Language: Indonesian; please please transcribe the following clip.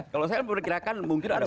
kalau saya memperkirakan mungkin ada